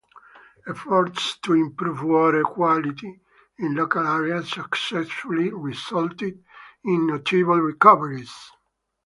Efforts to improve water quality in local areas successfully resulted in notable recoveries.